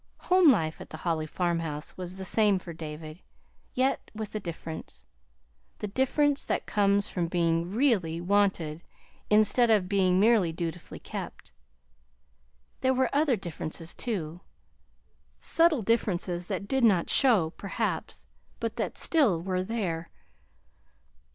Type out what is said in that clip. Home life at the Holly farmhouse was the same for David, yet with a difference the difference that comes from being really wanted instead of being merely dutifully kept. There were other differences, too, subtle differences that did not show, perhaps, but that still were there.